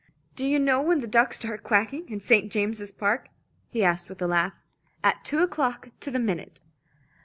Do you know when the ducks start quacking in St. James's Park?" he asked with a laugh. "At two o'clock to the minute."